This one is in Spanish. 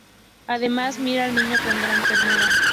Además, mira al Niño con gran ternura.